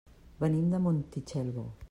Venim de Montitxelvo.